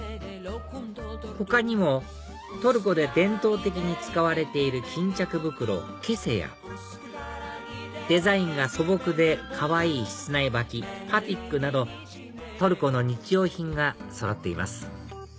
他にもトルコで伝統的に使われている巾着袋ケセやデザインが素朴でかわいい室内履きパティックなどトルコの日用品がそろっています